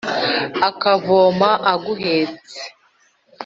akavoma aguhetse,